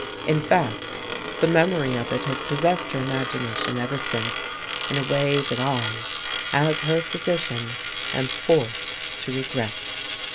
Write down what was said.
In fact, the memory of it has possessed her imagination ever since, in a way that I, as her physician, am forced to regret."